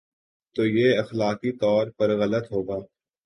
تو یہ اخلاقی طور پر غلط ہو گا۔